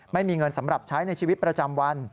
ไม่มีเงินสำหรับใช้ในชีวิตประจำวัน